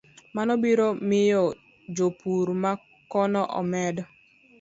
Mano biro miyo jopur ma kuno omed